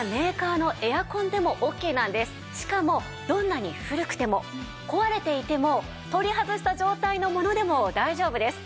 ですがしかもどんなに古くても壊れていても取り外した状態のものでも大丈夫です。